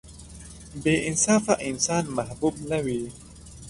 • بې انصافه انسان محبوب نه وي.